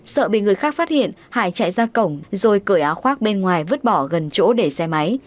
sợ bị người khác phát hiện hải chạy ra cổng rồi cởi áo khoác bên ngoài vứt bỏ gần chỗ để xe máy